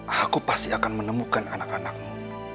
aku pasti akan menemukan anak anakmu